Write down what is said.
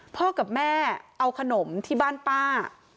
พ่อกับแม่เอาขนมที่บ้านป้า